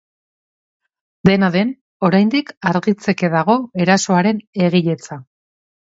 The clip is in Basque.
Dena den, oraindik argitzeke dago erasoaren egiletza.